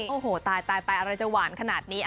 โอ้โหตายไปอะไรจะหวานขนาดนี้